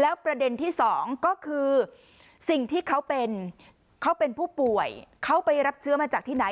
แล้วประเด็นที่สองก็คือสิ่งที่เขาเป็นเขาเป็นผู้ป่วยเขาไปรับเชื้อมาจากที่ไหน